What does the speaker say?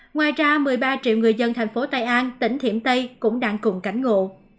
ngoài ra một mươi ba triệu người dân thành phố tây an tỉnh thiểm tây cũng đang cùng cảnh ngộ